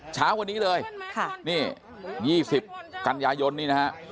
เช้าวันนี้เลยนี่๒๐กันยายนนี่นะฮะ